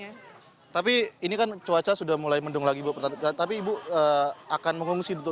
ya aldi sebagian warga masih berupaya menyelamatkan harta bendanya pasca bencana banjir ini